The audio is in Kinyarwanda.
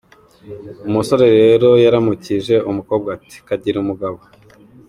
Umusore rero yaramukije umukobwa ati “kagire umugabo”.